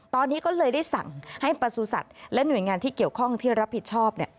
ตอนนี้ก็เลยได้สั่งให้ประสุทธิ์และหน่วยงานที่เกี่ยวข้องที่รับผิดชอบ